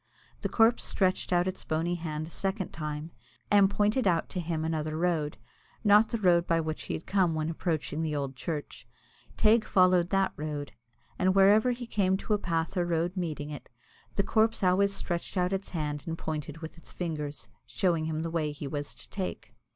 The corpse stretched out its bony hand a second time, and pointed out to him another road not the road by which he had come when approaching the old church. Teig followed that road, and whenever he came to a path or road meeting it, the corpse always stretched out its hand and pointed with its fingers, showing him the way he was to take.